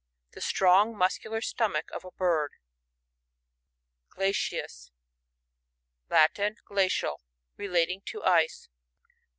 — The strong muscular stomach of a bird. GiJkciALis. — Latin. Glacial. Rela ting to ice.